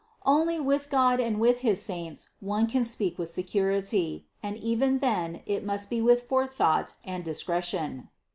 Only with God and with his saints one can speak with security, and even then it must be with forethought and discre tion.